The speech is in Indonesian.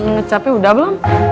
ngecapek udah belum